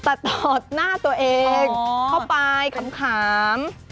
แต่ต่อหน้าตัวเองเข้าไปขำ